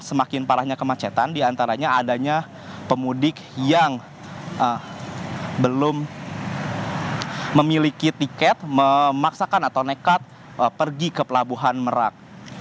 semakin parahnya kemacetan diantaranya adanya pemudik yang belum memiliki tiket memaksakan atau nekat pergi ke pelabuhan merak